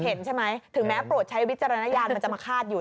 เห็นใช่ไหมถึงแม้โปรดใช้วิจารณญาณมันจะมาคาดอยู่